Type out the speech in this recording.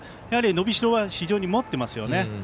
やはり伸びしろは非常に持ってますよね。